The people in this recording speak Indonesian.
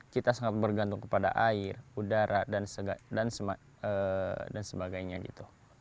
kita sangat bergantung kepada air udara dan sebagainya gitu